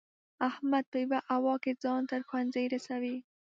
احمد په یوه هوا کې ځان تر ښوونځي رسوي.